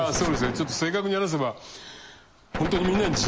ちょっと正確に話せばほんとに。